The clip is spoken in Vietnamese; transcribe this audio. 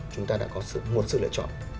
chúng ta đã có một sự lựa chọn